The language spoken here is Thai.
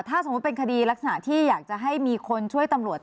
ถ้าสมมุติเป็นคดีลักษณะที่อยากจะให้มีคนช่วยตำรวจ